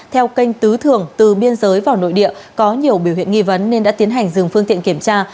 theo kênh tứ thường từ biên giới vào nội địa có nhiều biểu hiện nghi vấn nên đã tiến hành dừng phương tiện kiểm tra